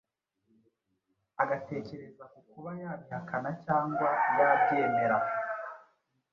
agatekereza ku kuba yabihakana cyangwa yabyemera.